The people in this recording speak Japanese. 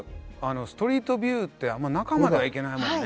ストリートビューってあんまり中までは行けないもんね。